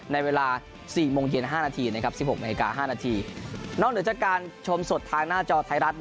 ในเวลา๔โมงเย็น๕นาที๑๖นาฬิกา๕นาทีนอกเหนือจากการชมสดทางหน้าจอไทยรัฐ